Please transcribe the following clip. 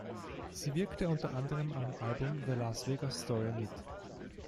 Sie wirkte unter anderem am Album "The Las Vegas Story" mit.